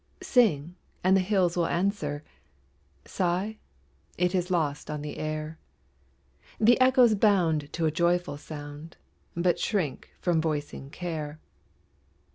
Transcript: Sing, and the hills will answer; Sigh, it is lost on the air; The echoes bound to a joyful sound, But shrink from voicing care.